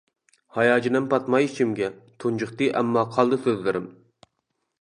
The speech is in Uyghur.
ھاياجىنىم پاتماي ئىچىمگە، تۇنجۇقتى ئەمما قالدى سۆزلىرىم.